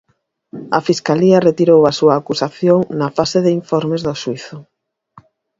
A Fiscalía retirou a súa acusación na fase de informes do xuízo.